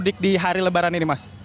mudik di hari lebaran ini mas